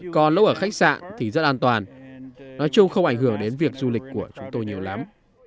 còn lúc ở khách sạn thì rất an toàn nói chung không ảnh hưởng đến việc du lịch của chúng tôi nhiều lắm